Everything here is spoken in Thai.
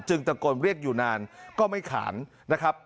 ตะโกนเรียกอยู่นานก็ไม่ขานนะครับ